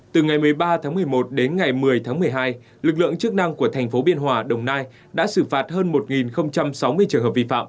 từ ngày một mươi ba tháng một mươi một đến ngày một mươi tháng một mươi hai lực lượng chức năng của thành phố biên hòa đồng nai đã xử phạt hơn một sáu mươi trường hợp vi phạm